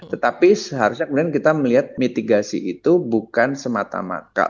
tetapi seharusnya kemudian kita melihat mitigasi itu bukan semata mata